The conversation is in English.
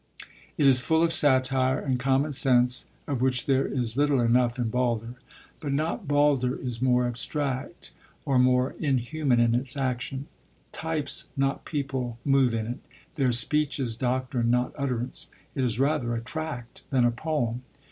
It is full of satire and common sense, of which there is little enough in Balder: but not Balder is more abstract, or more inhuman in its action. Types, not people, move in it; their speech is doctrine, not utterance; it is rather a tract than a poem.